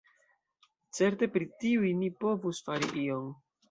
Certe pri tiuj ni povus fari ion.